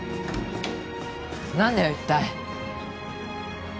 ・何だよ一体。